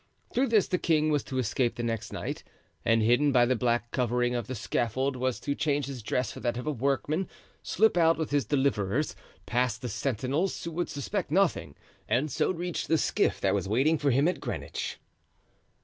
Through this the king was to escape the next night, and, hidden by the black covering of the scaffold, was to change his dress for that of a workman, slip out with his deliverers, pass the sentinels, who would suspect nothing, and so reach the skiff that was waiting for him at Greenwich.